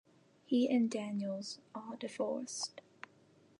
He and Daniels are divorced.